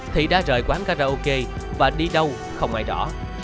thị đã rời quán karaoke và đi đâu không ai rõ